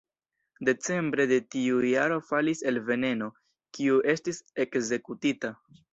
Decembre de tiu jaro falis "el Veneno", kiu estis ekzekutita.